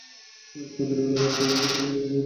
একটু আন্তরিকতা আর উৎসাহ পেলে ও এরকম হতো না।